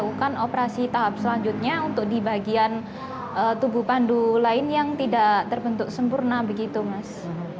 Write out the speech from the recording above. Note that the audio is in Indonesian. melakukan operasi tahap selanjutnya untuk di bagian tubuh pandu lain yang tidak terbentuk sempurna begitu mas